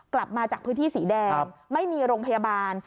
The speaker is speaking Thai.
กลับมาจากพื้นที่สีแดงไม่มีโรงพยาบาล